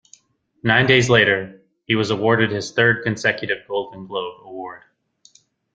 Nine days later, he was awarded his third consecutive Gold Glove Award.